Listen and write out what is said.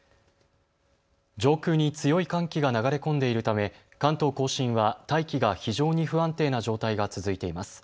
上空に強い寒気が流れ込んでいるため関東甲信は大気が非常に不安定な状態が続いています。